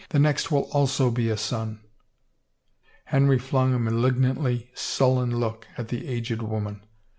" The next will also be a son !'* Henry flung a malignantly sullen look at the aged woman.